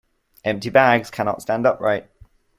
Empty bags cannot stand upright.